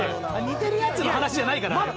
似てるやつの話じゃないからね。